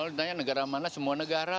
kalau ditanya negara mana semua negara